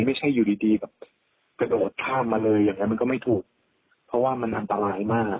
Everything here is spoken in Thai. ไม่ใช่อยู่ดีดีแบบกระโดดข้ามมาเลยอย่างนั้นมันก็ไม่ถูกเพราะว่ามันอันตรายมาก